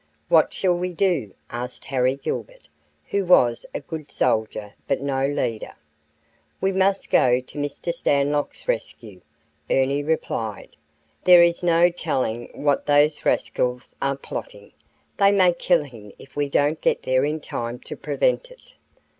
"What shall we do?" asked Harry Gilbert, who was a good soldier, but no leader. "We must go to Mr. Stanlock's rescue," Ernie replied. "There is no telling what those rascals are plotting. They may kill him if we don't get there in time to prevent it."